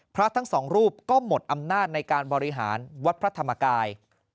พระทั้งสองรูปก็หมดอำนาจในการบริหารวัดพระธรรมกาย